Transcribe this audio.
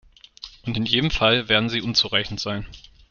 Und in jedem Fall werden sie unzureichend sein.